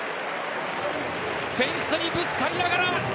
フェンスにぶつかりながら